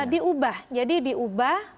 diubah jadi diubah